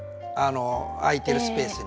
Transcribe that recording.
空いてるスペースに。